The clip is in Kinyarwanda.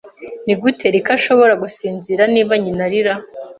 Nigute Lyca ashobora gusinzira Niba nyina arira